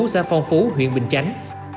xã phong phú huyện bình chánh